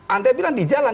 anda bilang di jalan